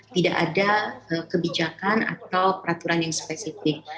tidak ada kebijakan atau peraturan yang spesifik